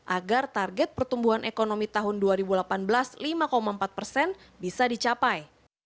agar target pertumbuhan ekonomi tahun dua ribu delapan belas lima empat persen bisa dicapai